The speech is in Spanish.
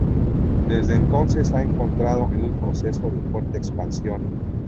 Desde entonces ha entrado en un proceso de fuerte expansión.